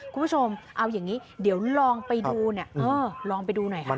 คุณผู้ชมเอาอย่างนี้เดี๋ยวลองไปดูเนี่ยเออลองไปดูหน่อยค่ะ